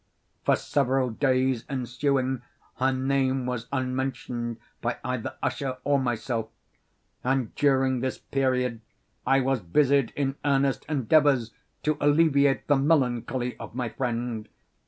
For several days ensuing, her name was unmentioned by either Usher or myself; and during this period I was busied in earnest endeavors to alleviate the melancholy of my friend.